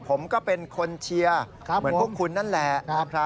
ผมก็เป็นคนเชียร์เหมือนพวกคุณนั่นแหละ